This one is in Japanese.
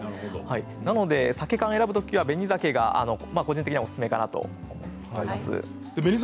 なのでサケ缶を選ぶときはベニザケが個人的にはおすすめかなと思います。